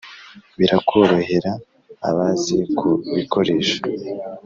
birakorohera abazi ku bikoresha